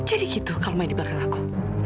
jadi gitu kalo main di belakang aku